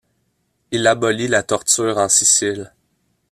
Il abolit la torture en Sicile.